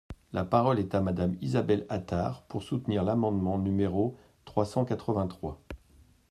La parole est à Madame Isabelle Attard, pour soutenir l’amendement numéro trois cent quatre-vingt-trois.